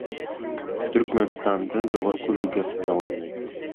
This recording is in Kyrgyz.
Түркмөнстандын жогорку лигасында ойнойт.